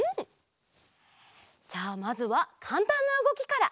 じゃあまずはかんたんなうごきから。